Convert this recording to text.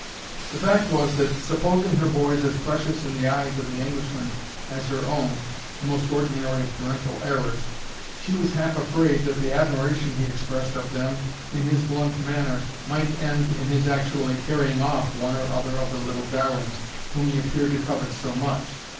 The fact was, that, supposing her boys as precious in the eyes of the Englishman as in her own, (the most ordinary of parental errors,) she was half afraid, that the admiration he expressed of them in his blunt manner might end in his actually carrying off one or other of the little darlings whom he appeared to covet so much.